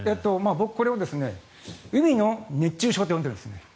僕、これを海の熱中症と呼んでるんですね。